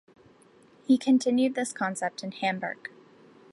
He continued this concept in Hamburg.